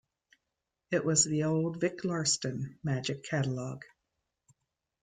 It was the old 'Vick Lawston' magic catalog.